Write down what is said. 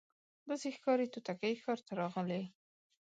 داسي ښکاري توتکۍ ښار ته راغلې